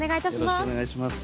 よろしくお願いします。